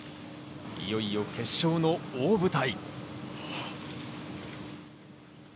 いよいよ決勝の大舞台。